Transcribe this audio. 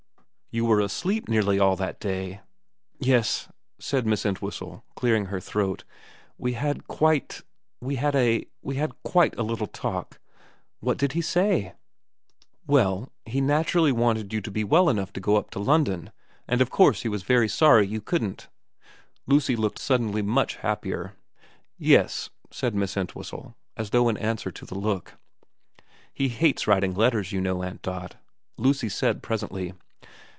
' You were asleep nearly all that day. Yes,' said Miss Entwhistle, clearing her throat, ' we had a we had quite a little talk.' * What did he say ?'' Well, he naturally wanted you to be well enough to go up to London, and of course he was very sorry you couldn't.' Lucy looked suddenly much happier. ' Yes,' said Miss Entwhistle, as though in answer to the look. ' He hates writing letters, you know, Aunt Dot,' Lucy said presently.